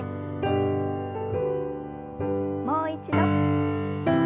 もう一度。